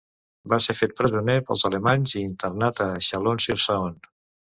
Va ser fet presoner pels alemanys i internat a Chalon-sur-Saône.